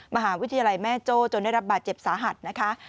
มหาวิทยาลัยแม่โจ้จนได้รับบาดเจ็บสาหัสนะคะ